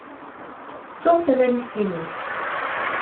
Ttuɣ tabalizt-inu.